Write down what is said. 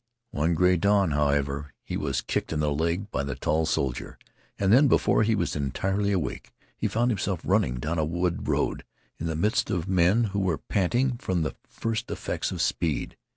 One gray dawn, however, he was kicked in the leg by the tall soldier, and then, before he was entirely awake, he found himself running down a wood road in the midst of men who were panting from the first effects of speed.